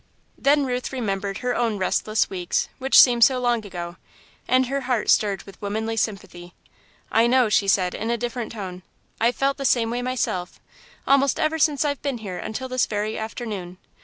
Then Ruth remembered her own restless weeks, which seemed so long ago, and her heart stirred with womanly sympathy. "I know," she said, in a different tone, "I've felt the same way myself, almost ever since I've been here, until this very afternoon.